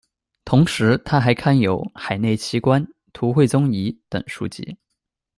同时他还刊有《海内奇观》、《图绘宗彝》等书籍。